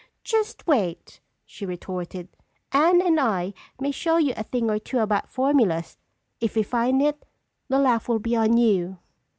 "Just wait!" she retorted. "Anne and I may show you a thing or two about formulas! If we find it, the laugh will be on you!"